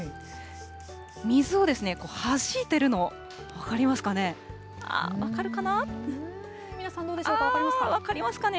水をはじいているの、分かりますかね。